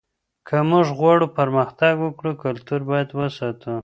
که موږ غواړو پرمختګ وکړو کلتور باید وساتو.